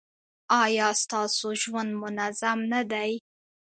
ایا ستاسو ژوند منظم نه دی؟